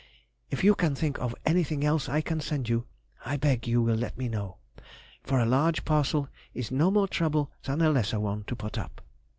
If you can think of anything else I can send you, I beg you will let me know, for a large parcel is no more trouble than a lesser one to put up.